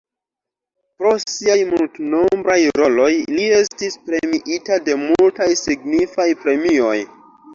Pro siaj multnombraj roloj li estis premiita de multaj signifaj premioj.